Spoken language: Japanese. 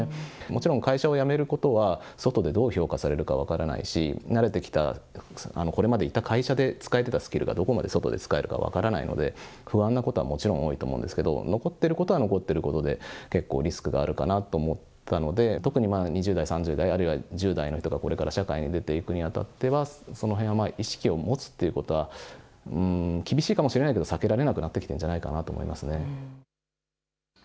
もちろん、会社を辞めることは外でどう評価されるか分からないし、慣れてきた、これまでいた会社で使えてたスキルが、どこまで外で使えるか分からないので、不安なことはもちろん多いと思うんですけど、残っていることは残っていることで、結構リスクがあるかなと思ったので、特に２０代、３０代、あるいは１０代なんかがこれから社会に出ていくにあたっては、そのへんは意識を持つということは、厳しいかもしれないけど、避けられなくなってきてるんじゃないかなと思いますね。